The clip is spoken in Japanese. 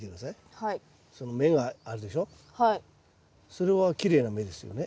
それはきれいな芽ですよね。